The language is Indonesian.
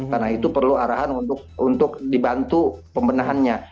karena itu perlu arahan untuk dibantu pembenahannya